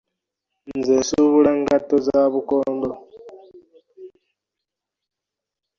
Nze nsuubula ngatto za bukondo.